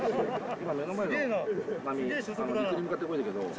今目の前の波陸に向かって動いてるけど。